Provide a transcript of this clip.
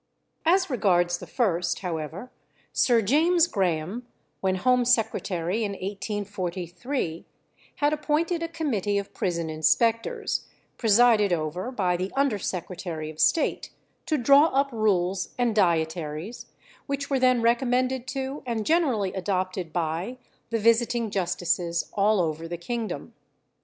As regards the first, however, Sir James Graham, when Home Secretary in 1843, had appointed a committee of prison inspectors, presided over by the Under Secretary of State, to draw up rules and dietaries, which were then recommended to and generally adopted by the visiting justices all over the kingdom.